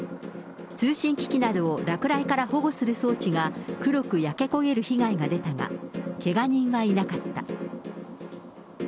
通信機器などを落雷から保護する装置が黒く焼け焦げる被害が出たが、けが人はいなかった。